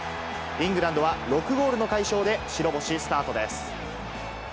イングランドは６ゴールの快勝で白星スタートです。